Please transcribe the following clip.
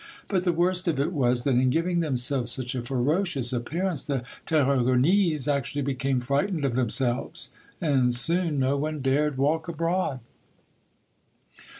But, the worst of it was that in giving themselves such a ferocious appearance, the Tarasconese actually became frightened of themselves, and soon no one dared walk abroad.